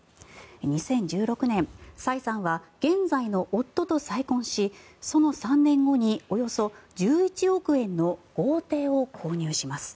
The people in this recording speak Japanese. ２０１６年、サイさんは現在の夫と再婚しその３年後におよそ１１億円の豪邸を購入します。